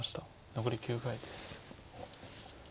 残り９回です。